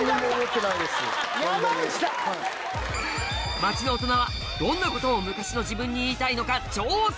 街のオトナはどんなことを昔の自分に言いたいのか調査